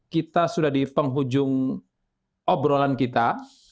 kita sudah di penghujung obrolan kita